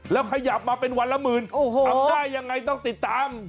แล้วขยับมาเป็นวันละหมื่นทำได้ยังไงต้องติดตาม